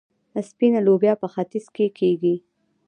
سپینه لوبیا په ختیځ کې کیږي.